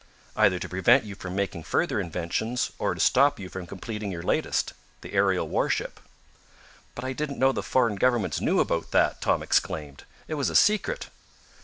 "Either to prevent you from making further inventions, or to stop you from completing your latest the aerial warship." "But I didn't know the foreign governments knew about that," Tom exclaimed. "It was a secret."